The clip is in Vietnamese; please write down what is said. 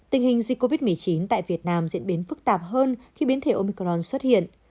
tình hình dịch covid một mươi chín tại việt nam diễn biến phức tạp hơn khi biến thể omicron xuất hiện